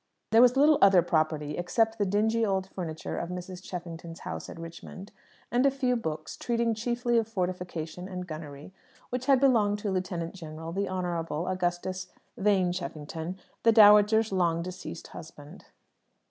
There was little other property, except the dingy old furniture of Mrs. Cheffington's house at Richmond, and a few books, treating chiefly of fortification and gunnery, which had belonged to Lieutenant General the Honourable Augustus Vane Cheffington, the dowager's long deceased husband.